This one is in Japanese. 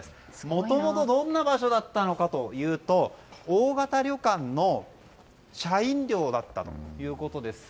もともとどんな場所だったのかというと大型旅館の社員寮だったということです。